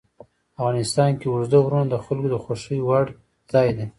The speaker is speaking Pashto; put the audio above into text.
افغانستان کې اوږده غرونه د خلکو د خوښې وړ ځای دی.